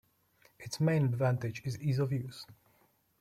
Its main advantage is ease of use.